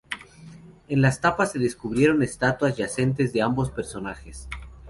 En las tapas se esculpieron estatuas yacentes de ambos personajes.